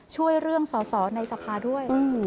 ช่วยเรื่องสอสอในสภาด้วย